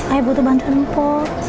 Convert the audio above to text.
ayah butuh bantuan po